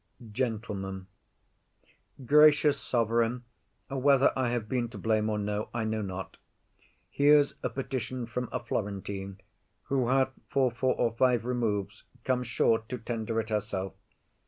GENTLEMAN. Gracious sovereign, Whether I have been to blame or no, I know not: Here's a petition from a Florentine, Who hath for four or five removes come short To tender it herself.